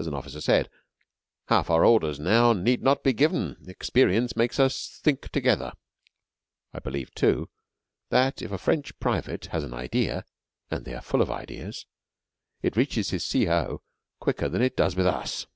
As an officer said: "Half our orders now need not be given. Experience makes us think together." I believe, too, that if a French private has an idea and they are full of ideas it reaches his C. 0. quicker than it does with us.